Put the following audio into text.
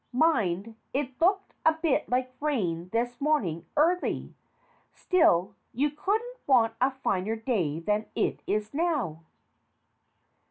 Mind, it looked a bit like rain this morning early. Still, you couldn't want a finer day than it is now.